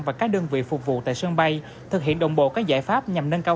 và các đơn vị phục vụ tại sân bay thực hiện đồng bộ các giải pháp nhằm nâng cao